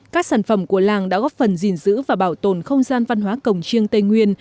các sản phẩm của làng đã góp phần gìn giữ và bảo tồn không gian văn hóa cổng chiêng tây nguyên